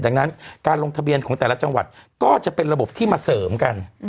ดังนั้นการลงทะเบียนของแต่ละจังหวัดก็จะเป็นระบบที่มาเสริมกัน